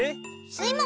スイも。